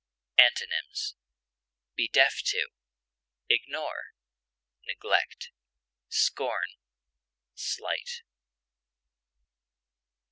Antonyms: be deaf to, ignore, neglect, scorn, slight.